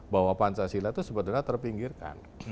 bahwa pancasila itu sebenarnya terpinggirkan